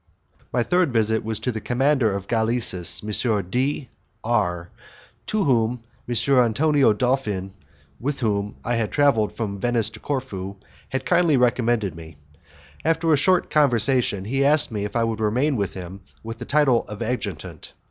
My third visit was to the commander of galleases, M. D R , to whom M. Antonio Dolfin, with whom I had travelled from Venice to Corfu, had kindly recommended me. After a short conversation, he asked me if I would remain with him with the title of adjutant.